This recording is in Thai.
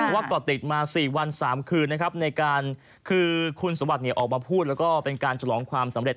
ว่าก่อติดมา๔วัน๓คืนนะครับในการคือคุณสมบัติออกมาพูดแล้วก็เป็นการฉลองความสำเร็จ